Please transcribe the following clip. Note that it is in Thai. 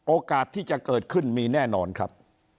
โอกาสที่จะเกิดขึ้นมีแน่นอนครับ